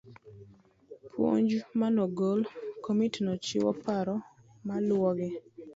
Puonj manogol. Komitino chiwo paro maluwo gi.